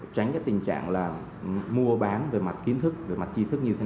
tránh cái tình trạng là mua bán về mặt kiến thức về mặt chi thức như thế